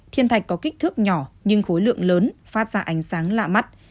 thiên thạch có kích thước nhỏ nhưng khối lượng lớn phát ra ánh sáng lạ mắt